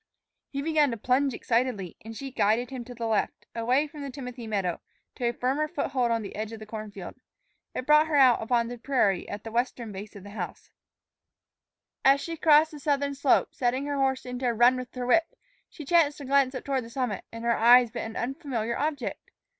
He began to plunge excitedly, and she guided him to the left, away from the timothy meadow, to a firmer foothold on the edge of the corn field. It brought her out upon the prairie at the western base of the hill. As she crossed the southern slope, setting her horse into a run with her whip, she chanced to glance up toward the summit, and her eyes met an unfamiliar object.